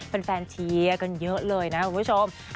แฟนเชียร์กันเยอะเลยนะคุณผู้ชม